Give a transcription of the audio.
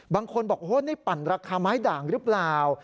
บางคนบอกโอ้นี่ปั่นราคาไม้ด่างหรือเปล่า